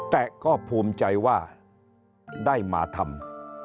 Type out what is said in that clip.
แต่ก็ภูมิใจว่าได้มาทำ